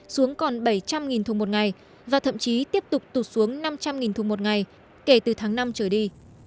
xuống còn bảy trăm linh thùng một ngày và thậm chí tiếp tục tụt xuống năm trăm linh thùng một ngày kể từ tháng năm trở đi